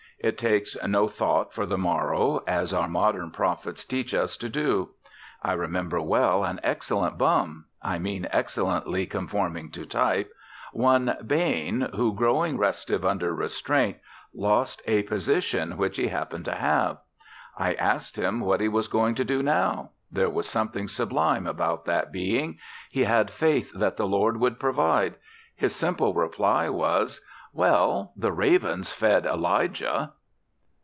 It takes no thought for the morrow, as our modern prophets teach us to do. I remember well an excellent bum (I mean excellently conforming to type), one Bain, who, growing restive under restraint, lost a position which he happened to have. I asked him what he was going to do now. There was something sublime about that being. He had faith that the Lord would provide. His simple reply was: "Well, the ravens fed Elijah."